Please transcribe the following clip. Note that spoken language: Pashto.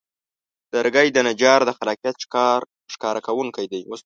لرګی د نجار د خلاقیت ښکاره کوونکی دی.